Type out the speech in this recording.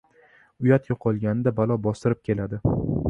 • Uyat yo‘qolganida balo bostirib keladi.